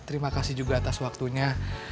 terima kasih juga atas waktunya